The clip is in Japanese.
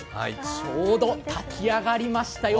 ちょうど炊き上がりましたよ。